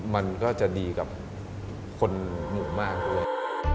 มันก็จะดีกับคนหมู่มากด้วย